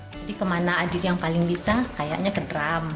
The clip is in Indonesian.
jadi kemana adit yang paling bisa kayaknya ke drum